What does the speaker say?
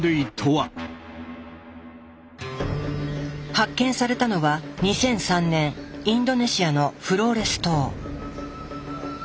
発見されたのは２００３年インドネシアのフローレス島。